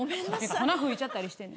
粉ふいちゃったりしてね。